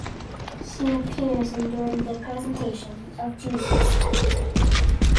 She appears in during the presentation of Jesus at the Temple.